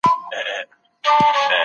زکات په سمه توګه مستحقینو ته رسید.